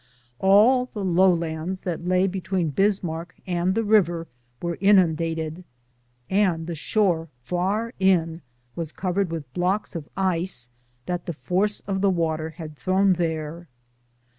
All the low lands that lay between Bismarck and the river were inundated, and the shore far in covered with blocks of ice that the force of the water had thrown tliere.